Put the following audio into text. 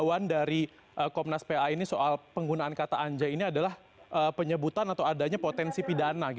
ketahuan dari komnas pa ini soal penggunaan kata anjai ini adalah penyebutan atau adanya potensi pidana